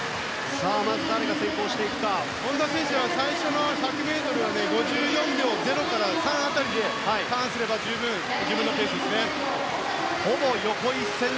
本多選手は最初の１００ｍは５４秒０から３辺りでターンすれば十分、自分のペースですね。